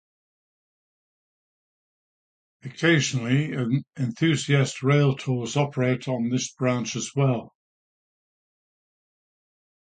Occasionally, enthusiast railtours operate on this branch as well.